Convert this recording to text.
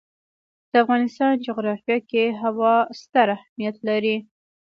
د افغانستان جغرافیه کې هوا ستر اهمیت لري.